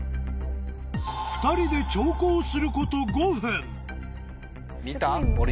２人で長考すること５分はい。